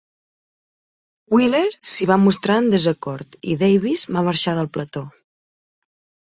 Wyler s'hi va mostrar en desacord i Davis va marxar del plató.